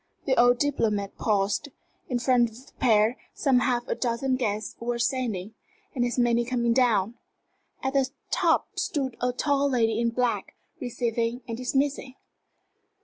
The old diplomat paused. In front of the pair some half a dozen guests were ascending, and as many coming down. At the top stood a tall lady in black, receiving and dismissing.